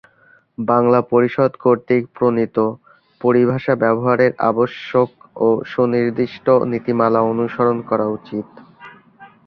বাংলা পরিষদ কর্তৃক প্রণীত "পরিভাষা ব্যবহারের আবশ্যক ও সুনির্দিষ্ট নীতিমালা" অনুসরণ করা উচিত।